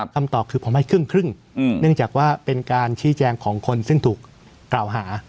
คำตอบคือผมให้ครึ่งเนื่องจากว่าเป็นการชี้แจงของคนซึ่งถูกกล่าวหา